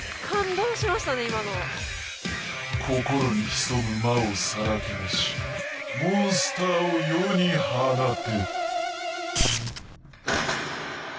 心に潜む魔をさらけ出しモンスターを世に放て！